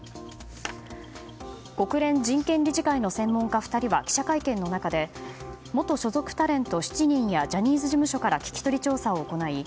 国連人権理事会の専門家２人は記者会見の中で元所属タレント７人やジャニーズ事務所から聞き取り調査を行い